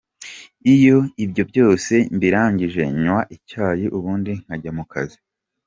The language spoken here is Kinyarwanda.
Iyo ibyo byose mbirangije nywa icyayi, ubundi nkajya mu kazi.